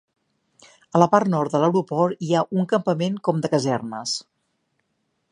A la part nord de l'aeroport hi ha un campament com de casernes.